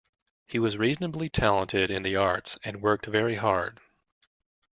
He was reasonably talented in the arts and worked very hard.